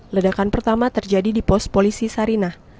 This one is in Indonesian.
ledakan pertama terjadi di pos polisi sarinah